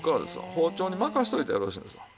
包丁に任せておいたらよろしいんですわ。